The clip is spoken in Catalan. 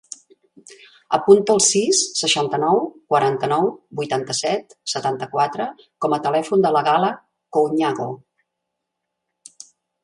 Apunta el sis, seixanta-nou, quaranta-nou, vuitanta-set, setanta-quatre com a telèfon de la Gala Couñago.